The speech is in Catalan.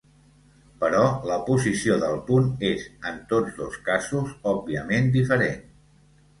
Però la posició del punt és, en tots dos casos, òbviament diferent.